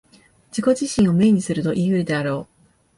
自己自身を明にするといい得るであろう。